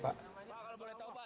kalau boleh tahu pak